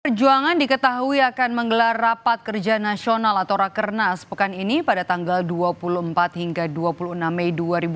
perjuangan diketahui akan menggelar rapat kerja nasional atau rakernas pekan ini pada tanggal dua puluh empat hingga dua puluh enam mei dua ribu dua puluh